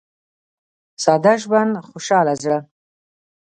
• ساده ژوند، خوشاله زړه.